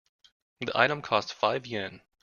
The item costs five Yen.